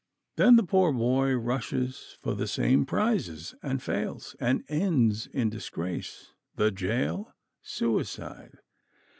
Then the poor boy rushes for the same prizes, and fails, and ends in disgrace, the jail, suicide.